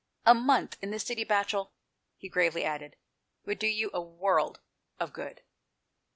"A month in the City, Batchel," he gravely added, "would do you a world of good."